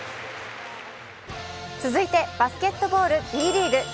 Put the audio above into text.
続いてバスケットボール、Ｂリーグ。